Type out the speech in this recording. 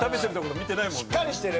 しっかりしてる。